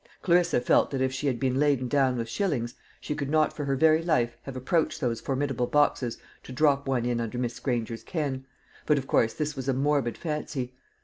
Clarissa felt that if she had been laden down with shillings, she could not for her very life have approached those formidable boxes to drop one in under Miss Granger's ken; but, of course, this was a morbid fancy.